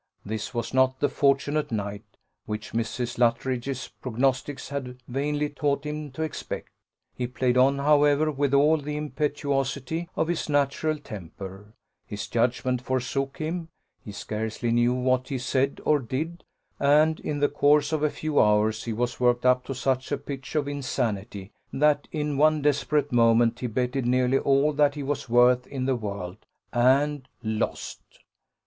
This was not the fortunate night, which Mrs. Luttridge's prognostics had vainly taught him to expect: he played on, however, with all the impetuosity of his natural temper; his judgment forsook him; he scarcely knew what he said or did; and, in the course of a few hours, he was worked up to such a pitch of insanity, that in one desperate moment he betted nearly all that he was worth in the world and lost!